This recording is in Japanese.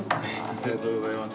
ありがとうございます。